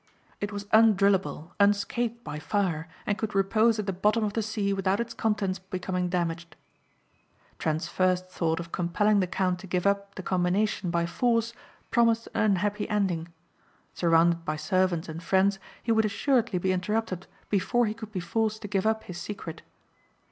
It was undrillable, unscathed by fire and could repose at the bottom of the sea without its contents becoming damaged. Trent's first thought of compelling the count to give up the combination by force promised an unhappy ending. Surrounded by servants and friends he would assuredly be interrupted before he could be forced to give up his secret.